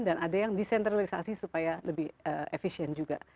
dan ada yang disentralisasi supaya lebih efisien juga